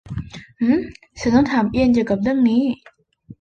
หืม ฉันจะต้องถามเอียนเกี่ยวกับเรื่องนั้น